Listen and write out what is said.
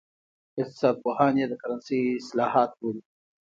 اقتصاد پوهان یې د کرنسۍ اصلاحات بولي.